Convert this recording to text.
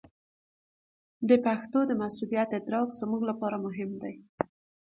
د پښتو د مسوولیت ادراک زموږ لپاره مهم دی.